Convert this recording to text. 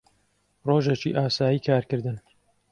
ڕۆژێکی ئاسایی کارکردن